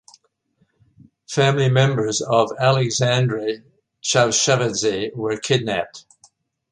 Family members of Aleksandre Chavchavadze were kidnapped.